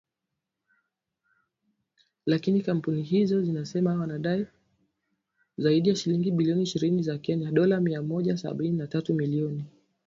Lakini kampuni hizo zinasema wanadai zaidi ya shilingi bilioni ishirini za Kenya (dolla mia moja sabini na tatu milioni).